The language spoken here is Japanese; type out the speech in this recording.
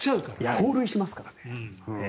盗塁もしますからね。